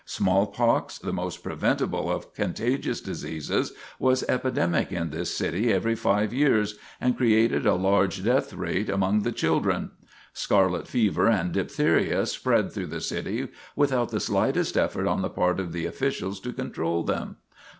Smallpox, the most preventable of contagious diseases, was epidemic in this city every five years, and created a large death rate among the children. Scarlet fever and diphtheria spread through the city without the slightest effort on the part of the officials to control them.